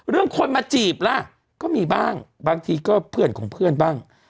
คนมาจีบล่ะก็มีบ้างบางทีก็เพื่อนของเพื่อนบ้าง